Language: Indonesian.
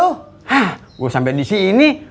hah gue sampe disini